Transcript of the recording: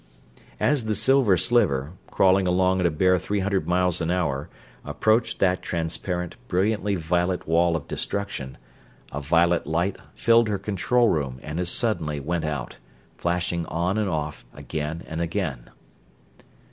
As the Silver Sliver, crawling along at a bare three hundred miles an hour, approached that transparent, brilliantly violet wall of destruction, a violet light filled her control room and as suddenly went out; flashing on and off again and again.